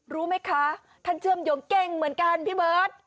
รู้ไหมคะท่านเชื่อมโยงเก่งเหมือนกันพี่เบิร์ต